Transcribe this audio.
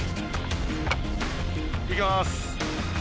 いきます。